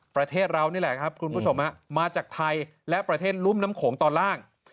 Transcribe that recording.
ประเทศเรานี่แหละครับคุณผู้ชมมาจากไทยและประเทศรุ่มน้ำโขงตอนล่าง